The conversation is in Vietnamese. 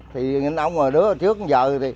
thì anh ông đứa trước giờ